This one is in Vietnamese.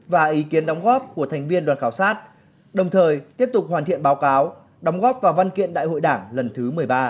và ý kiến đóng góp của thành viên đoàn khảo sát đồng thời tiếp tục hoàn thiện báo cáo đóng góp vào văn kiện đại hội đảng lần thứ một mươi ba